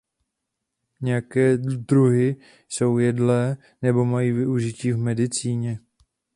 Některé druhy jsou jedlé nebo mají využití v medicíně.